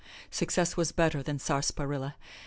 Success was better than sarsaparilla.